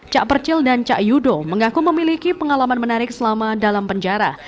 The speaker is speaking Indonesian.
cak percil dan cak yudo mengaku memiliki pengalaman menarik selama dalam penjara